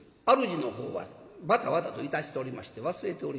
主のほうはバタバタといたしておりまして忘れておりました。